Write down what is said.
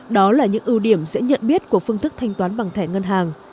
đó là những ưu điểm dễ nhận biết của phương thức thanh toán bằng thẻ ngân hàng